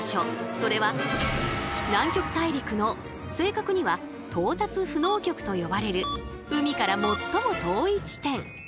それは南極大陸の正確には「到達不能極」と呼ばれる海から最も遠い地点。